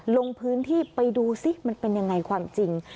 ลงพื้นที่ไปดูสิมันเป็นยังไงความจริง